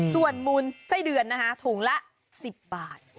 ส่วนหมุนไส้เดือนถุงละ๑๐บาท